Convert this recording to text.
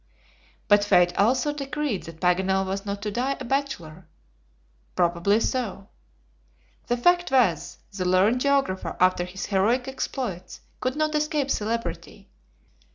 But fate also decreed that Paganel was not to die a bachelor? Probably so. The fact was, the learned geographer after his heroic exploits, could not escape celebrity.